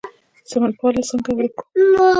سمت پالنه څنګه ورک کړو؟